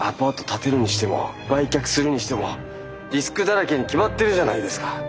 建てるにしても売却するにしてもリスクだらけに決まってるじゃないですか。